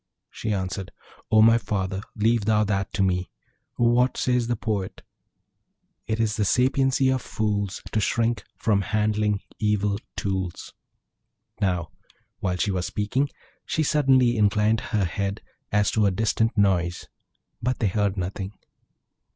She answered, 'O my father! leave thou that to me. What says the poet? "It is the sapiency of fools, To shrink from handling evil tools."' Now, while she was speaking, she suddenly inclined her ear as to a distant noise; but they heard nothing.